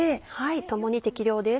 共に適量です。